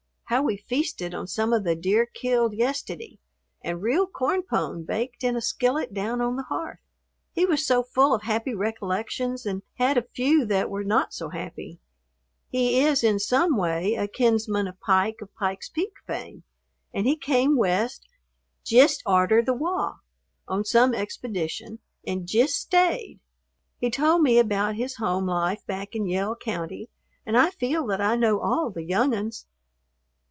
How we feasted on some of the deer killed "yisteddy," and real corn pone baked in a skillet down on the hearth. He was so full of happy recollections and had a few that were not so happy! He is, in some way, a kinsman of Pike of Pike's Peak fame, and he came west "jist arter the wah" on some expedition and "jist stayed." He told me about his home life back in Yell County, and I feel that I know all the "young uns."